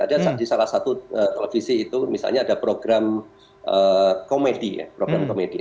di salah satu televisi itu misalnya ada program komedi ya